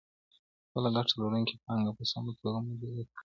خپله ګټه لرونکې پانګه په سمه توګه مديريت کړئ.